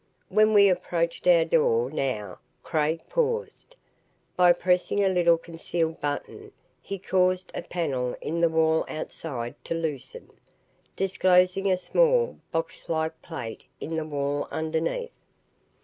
When we approached our door, now, Craig paused. By pressing a little concealed button he caused a panel in the wall outside to loosen, disclosing a small, boxlike plate in the wall underneath.